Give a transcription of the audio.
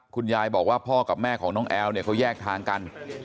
คุณยายบอกว่าพ่อกับแม่ของน้องแอลเนี่ยเขาแยกทางกัน